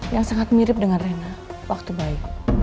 yang sangat mirip dengan rena waktu baik